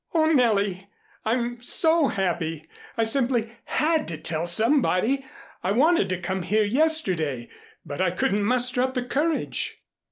"Oh, Nellie, I'm so happy. I simply had to tell somebody. I wanted to come here yesterday, but I couldn't muster up the courage."